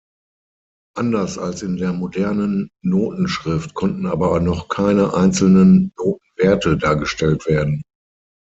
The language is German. Anders als in der modernen Notenschrift konnten aber noch keine einzelnen Notenwerte dargestellt werden.